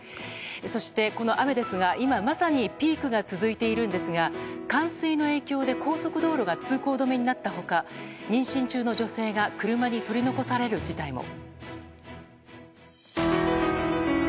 そして、この雨ですが今まさにピークが続いているんですが冠水の影響で高速道路が通行止めになった他妊娠中の女性が車に取り残される事態も。